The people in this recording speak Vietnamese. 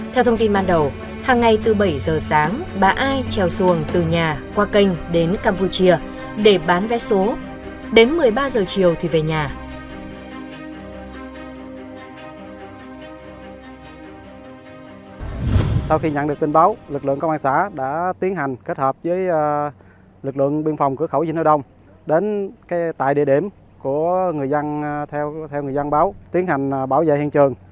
theo thông tin ban đầu hàng ngày từ bảy giờ sáng bà ai treo xuồng từ nhà qua kênh đến campuchia để bán vé số đến một mươi ba giờ chiều thì về nhà